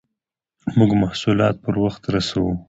موږ محصولات پر وخت رسوو.